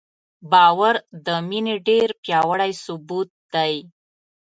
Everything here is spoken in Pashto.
باور د مینې ډېر پیاوړی ثبوت دی.